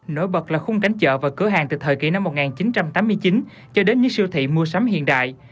nổi bật là khung cánh chợ và cửa hàng từ thời kỳ năm một nghìn chín trăm tám mươi chín cho đến những siêu thị mua sắm hiện đại